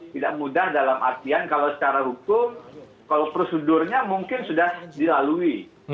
tidak mudah dalam artian kalau secara hukum kalau prosedurnya mungkin sudah dilalui